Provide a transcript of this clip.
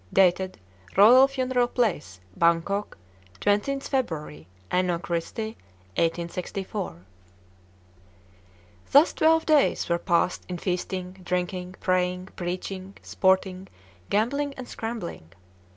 "Dated ROYAL FUNERAL PLACE. BANGKOK, 20th February, Anno Christi 1864." Thus twelve days were passed in feasting, drinking, praying, preaching, sporting, gambling and scrambling.